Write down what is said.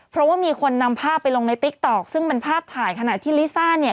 เพราะว่ามีคนนำภาพไปลงในติ๊กต๊อกซึ่งเป็นภาพถ่ายขณะที่ลิซ่าเนี่ย